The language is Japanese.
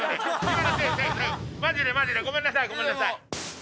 マジでマジでごめんなさいごめんなさい。